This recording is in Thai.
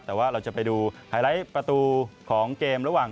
แต่ว่าเราจะไปดูไฮไลท์ประตูของเกมระหว่าง